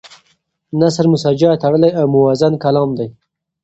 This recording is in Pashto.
نثر مسجع تړلی او موزون کلام دی.